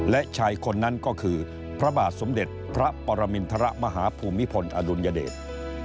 และชายคนนั้นก็คือพระบาทสมเด็จพระปรมินทรมาฮภูมิพลอดุลยเดช